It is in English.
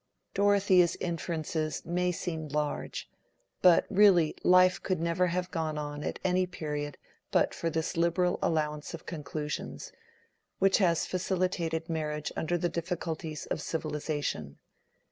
Dorothea's inferences may seem large; but really life could never have gone on at any period but for this liberal allowance of conclusions, which has facilitated marriage under the difficulties of civilization.